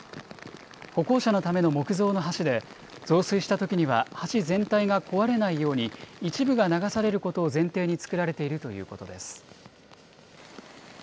歩行者のための木造の橋で、増水したときには橋全体が壊れないように、一部が流されることを前提に作られているということです。